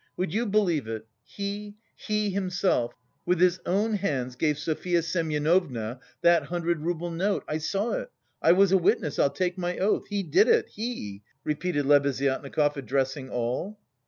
Would you believe it, he, he himself, with his own hands gave Sofya Semyonovna that hundred rouble note I saw it, I was a witness, I'll take my oath! He did it, he!" repeated Lebeziatnikov, addressing all.